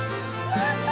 やった！